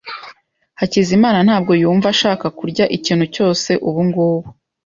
Hakizimana ntabwo yumva ashaka kurya ikintu cyose ubungubu.